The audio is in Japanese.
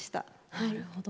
なるほど。